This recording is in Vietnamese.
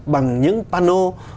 bằng những panel